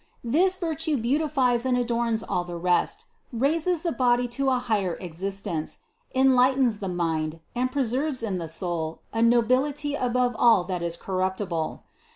This virtue beautifies and adorns all the rest, raises the body to a higher existence, enlightens the mind and preserves in the soul a nobility above all that is corruptible.